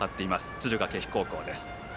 敦賀気比高校です。